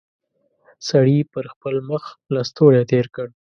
سړي پر خپل مخ لستوڼی تېر کړ.